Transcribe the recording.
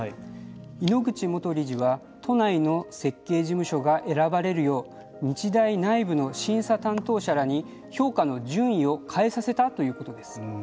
井ノ口元理事は都内の設計事務所が選ばれるよう日大内部の審査担当者らに評価の順位を変えさせたということです。